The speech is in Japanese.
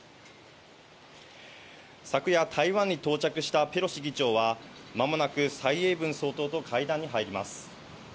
昨夜、台湾に到着したペロシ議長は間もなくサイ・エイブン総統と会談に入ります。